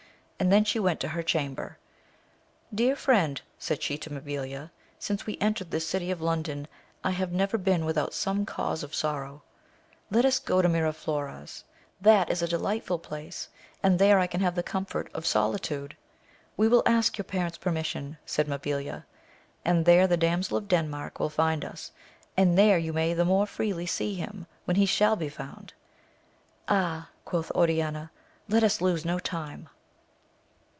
and then she went to her chamber. Dear Mend, said she to Mabilia, since we entered this city of London, I have never been without some cause of sorrow : let us go to Miraflores, that is a delightful place, and there I can have the comfort of solitude. We will ask your parent's permission, said Mabilia, and there the Damsel of Denmark will find us, and there you may the more freely see him, when he shall be found. Ah, quoth Oriaia, let us lose no time.